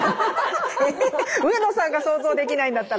上野さんが想像できないんだったら誰もね。